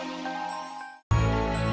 hukum yang berat